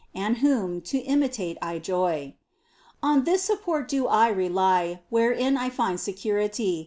And Whom to imitate I joy ! On this support do I rely. Wherein I find security.